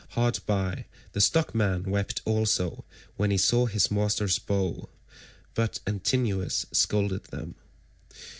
Hard by, the stockman wept also when he saw his master's bow, but Antinous scolded them.